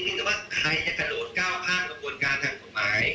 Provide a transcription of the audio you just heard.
มีว่าใครจะกระโดดก้าวป้ามพอบนการทางภาค